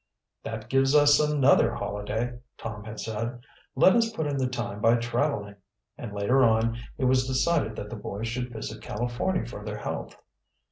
"That gives us another holiday," Tom had said. "Let us put in the time by traveling," and, later on, it was decided that the boys should visit California for their health.